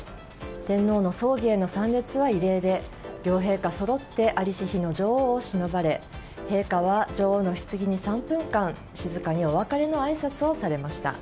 天皇の葬儀への参列は異例で両陛下そろって在りし日の女王をしのばれ陛下は女王のひつぎに３分間静かにお別れのあいさつをされました。